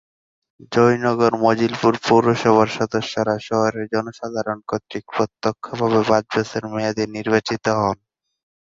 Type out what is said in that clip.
জয়নগর মজিলপুর পৌরসভার সদস্যরা শহরের জনসাধারণ কর্তৃক প্রত্যক্ষভাবে পাঁচ বছরের মেয়াদে নির্বাচিত হন।